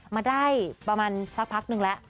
มาได้ประมาณสักพักนึงแล้ว